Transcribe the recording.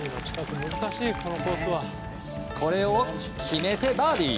これを決めてバーディー。